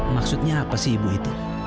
maksudnya apa sih ibu itu